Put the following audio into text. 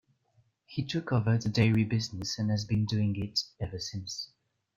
He took over the dairy business and has been doing it ever since.